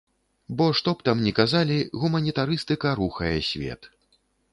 Бо, што б там ні казалі, гуманітарыстыка рухае свет.